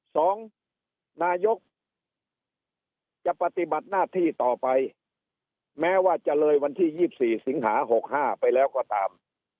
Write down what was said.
สองนายกจะปฏิบัติหน้าที่ต่อไปแม้ว่าจะเลยวันที่๒๔สิงหา๖๕ไปแล้วก็ตาม